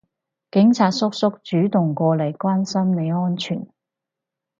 警察叔叔主動過嚟關心你安全